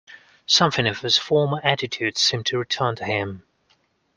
Something of his former attitude seemed to return to him.